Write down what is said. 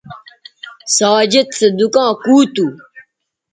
ساجد سو دُکاں کُو تھو